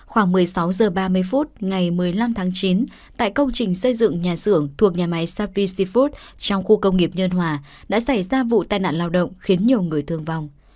khoảng một mươi sáu h ba mươi phút ngày một mươi năm tháng chín tại công trình xây dựng nhà xưởng thuộc nhà máy sapee syfood trong khu công nghiệp nhân hòa đã xảy ra vụ tai nạn lao động khiến nhiều người thương vong